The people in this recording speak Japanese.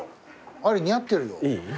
アリ似合ってるよ。